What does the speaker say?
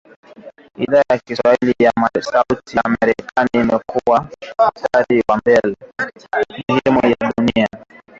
Idhaa ya Kiswahili ya Sauti Amerika imekua mstari wa mbele katika kutangaza matukio muhimu ya dunia